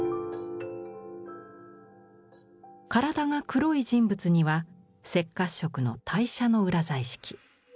体が黒い人物には赤褐色の代赭の裏彩色。